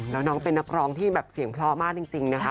แล้วน้องเป็นนักร้องที่แบบเสียงเพราะมากจริงนะคะ